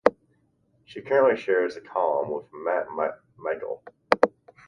She currently shares the column with Matt Michael.